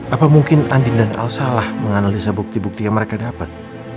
apa mungkin andin dan al salah menganalisa bukti bukti yang mereka dapat